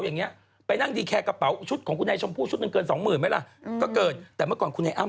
มันเกินไปกระเป๋าใบหนึ่งเมื่อเกิน๒หมื่นอยู่แล้ว